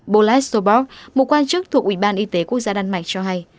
bolas sobor một quan chức thuộc ủy ban y tế quốc gia đan mạch cho hay